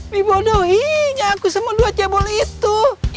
dibodohin aku sama dua cebol itu